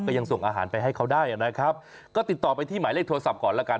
ยังส่งอาหารไปให้เขาได้นะครับก็ติดต่อไปที่หมายเลขโทรศัพท์ก่อนแล้วกัน